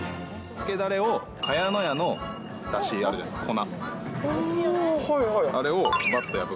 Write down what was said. つけだれをかやのやのだしあるじゃないですか、粉。